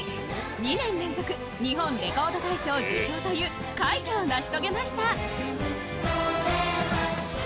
２年連続、日本レコード大賞受賞という快挙を成し遂げました。